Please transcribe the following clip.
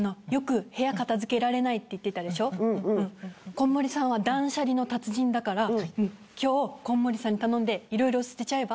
こんもりさんは断捨離の達人だから今日こんもりさんに頼んで色々捨てちゃえば？